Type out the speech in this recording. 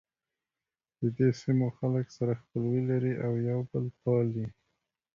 ددې سیمو خلک سره خپلوي لري او یو بل پالي.